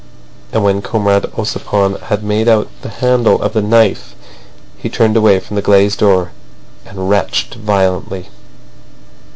And when Comrade Ossipon had made out the handle of the knife he turned away from the glazed door, and retched violently.